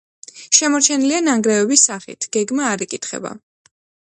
შემორჩენილია ნანგრევების სახით, გეგმა არ იკითხება.